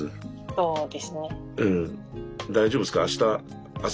そうですね。